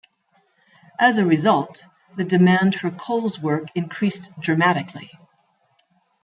As a result, the demand for Cole's work increased dramatically.